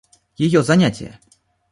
Ее занятия.